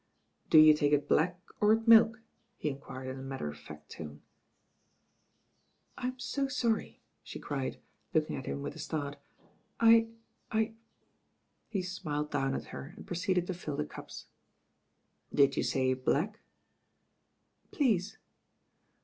"Do you take it black or with milk?" he enquired in a matter of fact tone. "I'm so sorry," she cried, looking at him with a ttart, "I— I "^ THE RAIN GIRL He smiled down at her and proceeded to fill the cups. "Did you say black?" "Please."